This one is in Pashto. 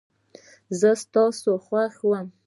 زه تاسو خوښوم